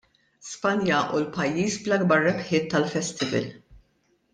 Spanja hu l-pajjiż bl-akbar rebħiet tal-Festival.